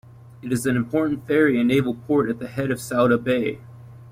It is an important ferry and naval port at the head of Souda Bay.